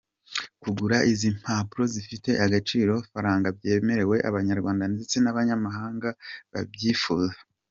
Kugura izi mpapuro zifite agaciro-faranga byemerewe Abanyarwanda ndetse n’abanyamahanga babibyufuza.